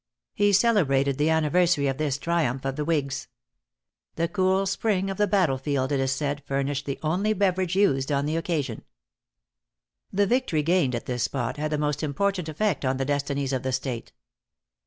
He celebrated the anniversary of this triumph of the whigs. The cool spring of the battle field, it is said, furnished the only beverage used on the occasion. The victory gained at this spot had the most important effect on the destinies of the State.